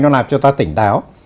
nó làm cho ta tỉnh táo